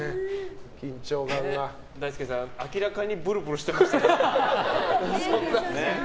大輔さん、明らかにブルブルしてましたもんね。